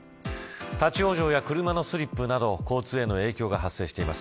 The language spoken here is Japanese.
立ち往生や車のスリップなど交通への影響が発生しています。